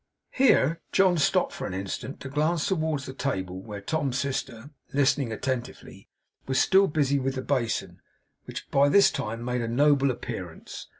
Here John stopped for an instant, to glance towards the table, where Tom's sister, listening attentively, was still busy with the basin, which by this time made a noble appearance.